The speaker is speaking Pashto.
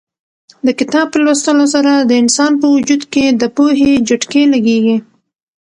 د کتاب په لوستلو سره د انسان په وجود کې د پوهې جټکې لګېږي.